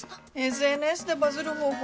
ＳＮＳでバズる方法